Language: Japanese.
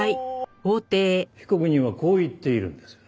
被告人はこう言っているんです。